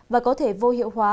và có thể vô hiệu hóa